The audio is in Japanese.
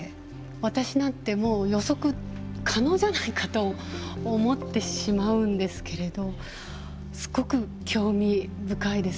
私なんてもう予測可能じゃないかと思ってしまうんですけれどすごく興味深いです。